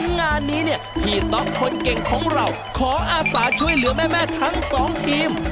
งานนี้เนี่ยพี่ต๊อกคนเก่งของเราขออาศาช่วยเหลือแม่ทั้งสองทีม